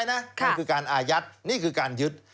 นั่นคือการอายัดนี่คือการยึด